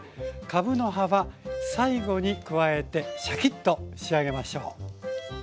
かぶの葉は最後に加えてシャキッと仕上げましょう。